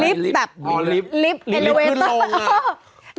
ลิปแบบลิปเอเลเวสเตอร์